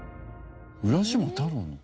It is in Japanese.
浦島太郎の？